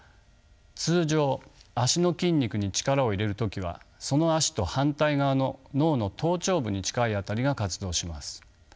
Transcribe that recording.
通常脚の筋肉に力を入れる時はその脚と反対側の脳の頭頂部に近い辺りが活動します。